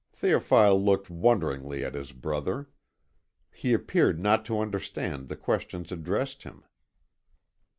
Théophile looked wonderingly at his brother. He appeared not to understand the questions addressed him.